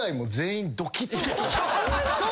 そう！